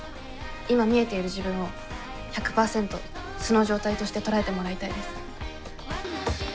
今見えている自分を１００％素の状態として捉えてもらいたいです。